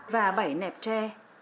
và bảy nẹp tre